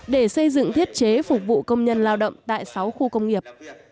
để xây dựng thiết chế phục vụ công nhân lao động tại sáu khu công nghiệp